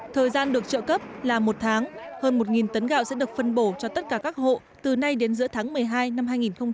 thời gian được trợ cấp là một tháng hơn một tấn gạo sẽ được phân bổ cho tất cả các hộ từ nay đến giữa tháng một mươi hai năm hai nghìn hai mươi